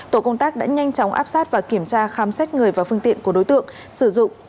tổ công tác đã nhanh chóng áp sát và kiểm tra khám xét người và phương tiện của đối tượng sử dụng